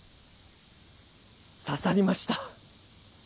刺さりました。